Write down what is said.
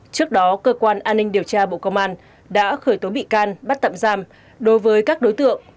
trước đó cơ quan an ninh điều tra bộ công an đã khởi tố bị can bắt tạm giam đối với các đối tượng